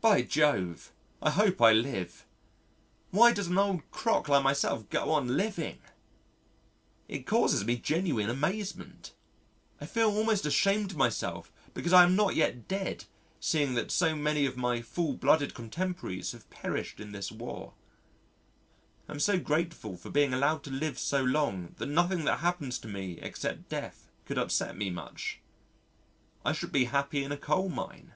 By Jove! I hope I live! ... Why does an old crock like myself go on living? It causes me genuine amazement. I feel almost ashamed of myself because I am not yet dead seeing that so many of my full blooded contemporaries have perished in this War. I am so grateful for being allowed to live so long that nothing that happens to me except death could upset me much. I should be happy in a coal mine.